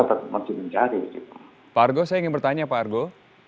pak ardo saya ingin bertanya pak ardo